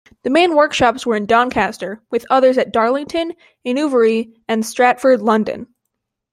The main workshops were in Doncaster, with others at Darlington, Inverurie and Stratford, London.